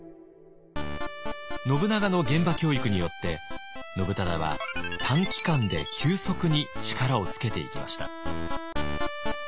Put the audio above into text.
信長の現場教育によって信忠は短期間で急速に力をつけていきました。